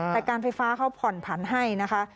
แต่การไฟฟ้าเขาผ่อนผันให้นะคะ